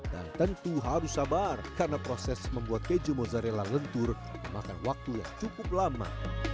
dan tentu harus sabar karena proses membuat keju mozzarella lentur memakan waktu yang cukup lama